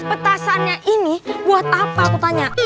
petasannya ini buat apa aku tanya